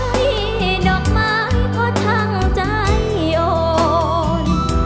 แต่ดอกไม้ก็ทั้งใจโอน